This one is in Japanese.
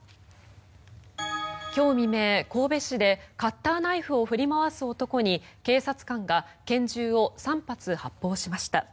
今日未明、神戸市でカッターナイフを振り回す男に警察官が拳銃を３発発砲しました。